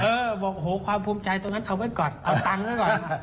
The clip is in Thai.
บอกโหความภูมิใจตรงนั้นเอาไว้ก่อนเอาตังค์ไว้ก่อน